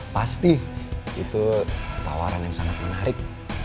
pasti itu tawaran yang sangat menarik